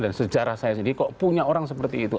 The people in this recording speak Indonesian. dan sejarah saya sendiri kok punya orang seperti itu